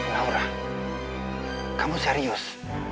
naurang kamu serius